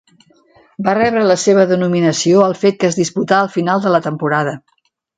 Va rebre la seva denominació al fet que es disputà al final de la temporada.